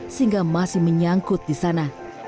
sehingga masih menyangkut di sana